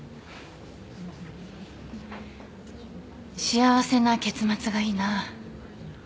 幸せな結末がいいな。